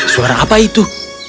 suara apa itu